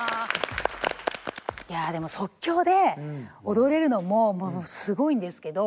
いやでも即興で踊れるのもすごいんですけど。